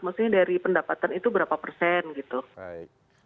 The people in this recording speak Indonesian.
maksudnya dari pendapatan itu berapa persen gitu